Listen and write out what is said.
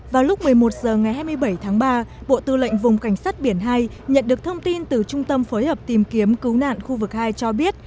vào lúc một mươi một h ngày hai mươi bảy tháng ba bộ tư lệnh vùng cảnh sát biển hai nhận được thông tin từ trung tâm phối hợp tìm kiếm cứu nạn khu vực hai cho biết